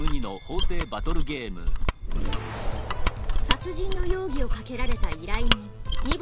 殺人の容疑をかけられた依頼人荷